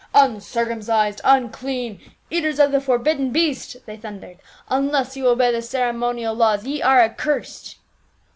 " Uncircumciscd, unclean, eaters of the forbidden beast," they thundered, " unless ye obey the cere monial laws, ye are accursed."